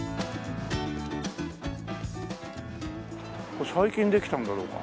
ここ最近できたんだろうか？